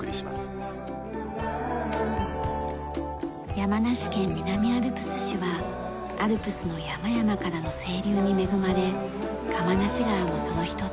山梨県南アルプス市はアルプスの山々からの清流に恵まれ釜無川もその一つ。